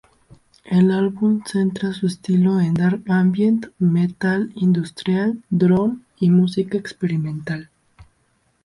El álbum centra su estilo en "dark ambient", "metal industrial", "Drone" y "música experimental".